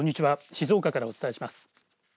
静岡からお伝えします。